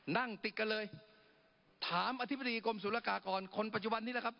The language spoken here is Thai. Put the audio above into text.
นั่งติดกันเลยถามอธิบดีกรมศูนยากากรคนปัจจุบันนี้แหละครับ